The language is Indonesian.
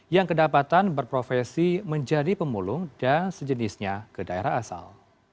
yang kedapatan berprofesi menjadi pemulung dan sejenisnya ke daerah asal